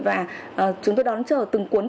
và chúng tôi đón chờ từng cuốn